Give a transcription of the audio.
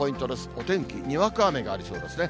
お天気、にわか雨がありそうですね。